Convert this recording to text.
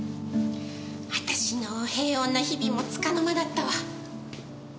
私の平穏な日々もつかの間だったわ。